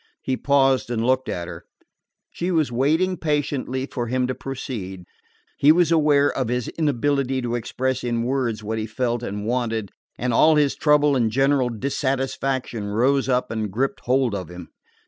He paused and looked at her. She was waiting patiently for him to proceed. He was aware of his inability to express in words what he felt and wanted, and all his trouble and general dissatisfaction rose up and gripped hold of him.